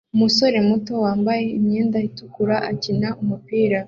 Umusore muto wambaye imyenda itukura akina umupira